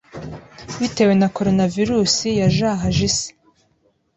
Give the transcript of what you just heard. bitewe na coronavirus yajahaje isi.